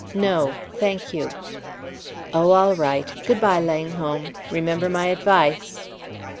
"No, thank you." "Oh, all right! Good by, Langholm; remember my advice."